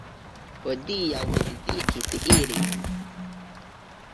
Hodiaŭ mi vizitis ilin.